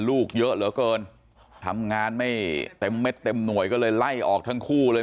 ลูกเยอะเหลือเกินทำงานไม่เต็มเม็ดเต็มหน่วยก็เลยไล่ออกทั้งคู่เลย